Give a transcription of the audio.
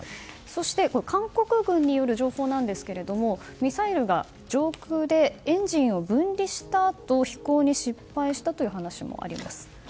そして韓国軍による情報ですがミサイルが上空でエンジンを分離したあと飛行に失敗したという話もあります。